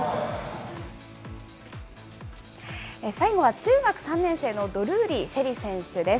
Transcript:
最後は中学３年生のドルーリー朱瑛里選手です。